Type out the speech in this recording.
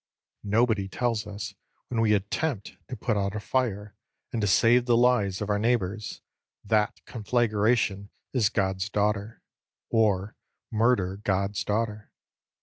Nobody tells us, when we attempt to put out a fire and to save the lives of our neighbours, that Conflagration is God's daughter, or Murder God's daughter.